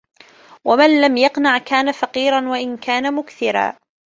وَمَنْ لَمْ يَقْنَعْ كَانَ فَقِيرًا وَإِنْ كَانَ مُكْثِرًا